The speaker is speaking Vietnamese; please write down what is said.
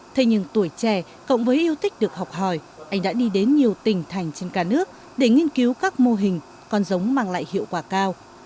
thế nhưng tuổi trẻ cộng với yêu thích được học hỏi anh đã đi đến nhiều tỉnh thành trên cả nước để nghiên cứu các mô hình con giống mang lại hiệu quả cao